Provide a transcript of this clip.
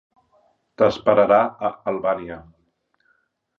T'esperarà a Albània.